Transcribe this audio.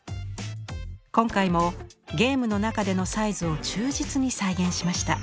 今回もゲームの中でのサイズを忠実に再現しました。